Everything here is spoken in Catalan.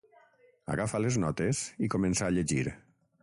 Agafa les notes i comença a llegir.